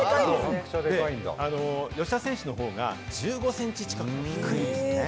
吉田選手のほうが１５センチ近く低いんですね。